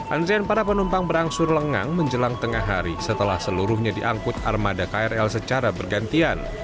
antrian para penumpang berangsur lengang menjelang tengah hari setelah seluruhnya diangkut armada krl secara bergantian